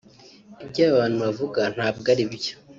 ibyo abantu bavuga ntabwo ari byo